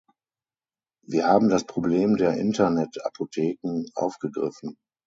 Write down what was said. Wir haben das Problem der Internetapotheken aufgegriffen.